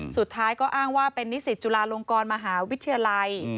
สุดท้ายก็อ้างว่าเป็นนิสิตจุฬาลงกรมหาวิทยาลัย